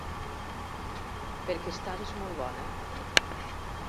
Perquè estaves molt bona.